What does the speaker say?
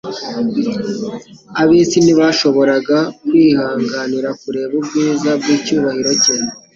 Ab'isi ntibashoboraga kwihariganira kureba ubwiza bw'icyubahiro cye.